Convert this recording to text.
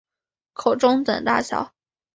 口中等大小。